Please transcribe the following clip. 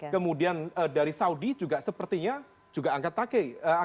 kemudian dari saudi juga sepertinya juga angkat take